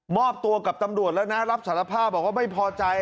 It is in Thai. ตัวกับตำรวจแล้วนะรับสารภาพบอกว่าไม่พอใจ